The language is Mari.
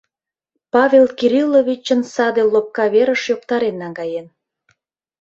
Павел Кирилловичын саде лопка верыш йоктарен наҥгаен.